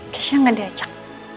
keisha gak diajak